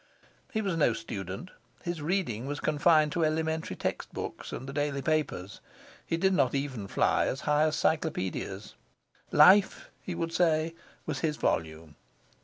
He was no student; his reading was confined to elementary textbooks and the daily papers; he did not even fly as high as cyclopedias; life, he would say, was his volume.